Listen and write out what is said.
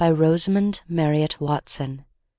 Rosamund Marriott Watson b.